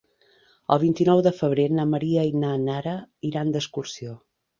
El vint-i-nou de febrer na Maria i na Nara iran d'excursió.